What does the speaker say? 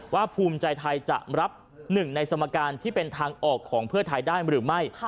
ภูมิใจไทยจะรับหนึ่งในสมการที่เป็นทางออกของเพื่อไทยได้หรือไม่